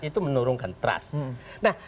itu menurunkan trust